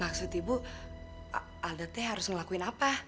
maksud ibu adatnya harus ngelakuin apa